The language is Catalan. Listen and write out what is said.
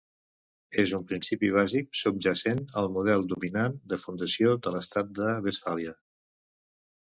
És un principi bàsic subjacent al model dominant de fundació de l'estat de Westfàlia.